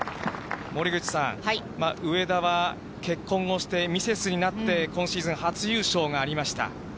森口さん、上田は結婚をしてミセスになって、今シーズン初優勝がありました。